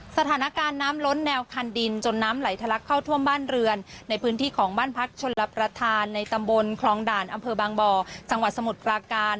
สถานการณ์น้ำล้นแนวคันดินจนน้ำไหลทะลักเข้าท่วมบ้านเรือนในพื้นที่ของบ้านพักชนรับประทานในตำบลคลองด่านอำเภอบางบ่อจังหวัดสมุทรปราการ